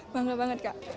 bangga banget kak